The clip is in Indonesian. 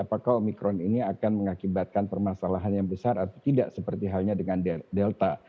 apakah omikron ini akan mengakibatkan permasalahan yang besar atau tidak seperti halnya dengan delta